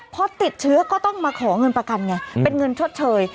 พอติดเชื้อก็ต้องมาขอเงินประกันไงเป็นเงินชดเชย